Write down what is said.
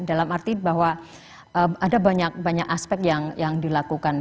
dalam arti bahwa ada banyak banyak aspek yang dilakukan